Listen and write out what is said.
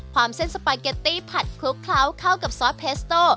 เส้นสปาเกตตี้ผัดคลุกเคล้าเข้ากับซอสเพสโต้